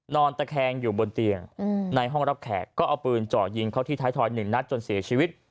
นอนตะแคงอยู่บนเตียงในห้องรับแขกก็เอาปืนเจาะยิงเข้าที่ท้ายทอย๑นัดจนเสียชีวิต